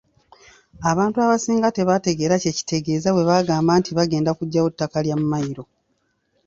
Abantu abasinga tebategeera kye kitegeeza bwe bagamba nti bagenda kuggyawo ettaka lya mmayiro.